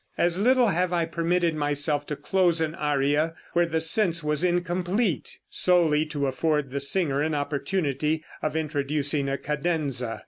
As little have I permitted myself to close an aria where the sense was incomplete, solely to afford the singer an opportunity of introducing a cadenza.